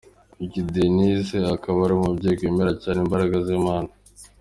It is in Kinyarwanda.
Uyu Denise akaba ari umubyeyi wemera cyane imbaraga z’Imana.